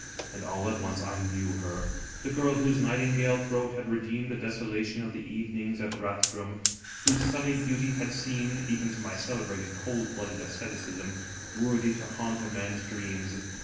And all at once I knew her: the girl whose nightingale throat had redeemed the desolation of the evenings at Rath drum, whose sunny beauty had seemed (even to my cele 122 Egerton Castle brated cold blooded aestheticism) worthy to haunt a man's dreams.